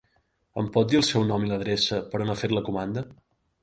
Em pot dir el seu nom i l'adreça per on ha fet la comanda?